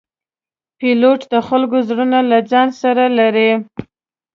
پیلوټ د خلکو زړونه له ځان سره لري.